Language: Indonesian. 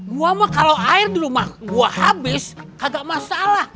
muam mah kalau air di rumah gua habis agak masalah